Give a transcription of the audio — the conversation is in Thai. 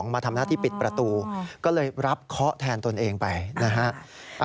มาทำหน้าที่ปิดประตูก็เลยรับเคาะแทนตนเองไปนะฮะ